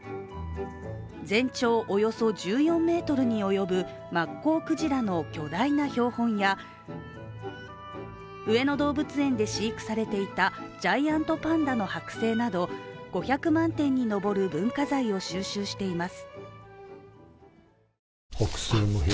全長およそ１４ｍに及ぶマッコウクジラの巨大な標本や上野動物園で飼育されていたジャイアントパンダの剥製など、５００万点に上る文化財を収集しています。